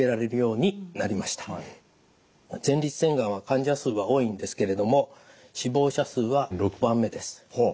前立腺がんは患者数は多いんですけれども死亡者数は６番目です。